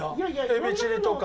エビチリとか。